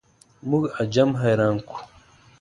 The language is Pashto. موږ عجم حیران کړو.